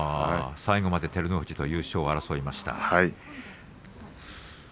最後まで照ノ富士と優勝を争いました。